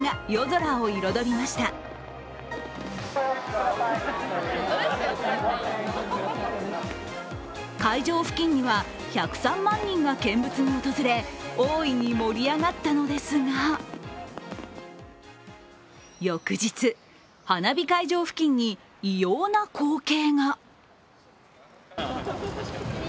おととい、東京・隅田川で４年ぶりの花火大会が行われ、会場付近には１０３万人が見物に訪れ大いに盛り上がったのですが翌日、花火会場付近に異様な光景が。